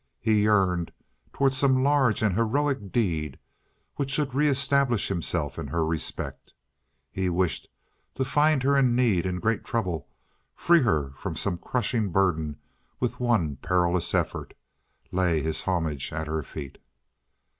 He yearned toward some large and heroic deed which should re establish himself in her respect. He wished to find her in need, in great trouble, free her from some crushing burden with one perilous effort, lay his homage at her feet.